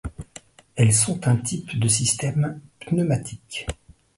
Elles sont un type de système pneumatique.